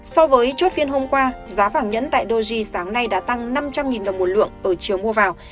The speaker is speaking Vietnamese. so với chốt phiên hôm qua giá vàng nhẫn tại doji sáng nay đã tăng năm trăm linh đồng một lượng ở chiều mua vào